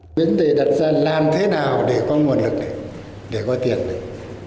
nguyễn tề đặt ra làm thế nào để có nguồn lực này để có tiền này